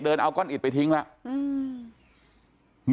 อิดไปทิ้งแล้ว